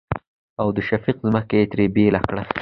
او د شفيق ځمکه يې ترې بيله کړه.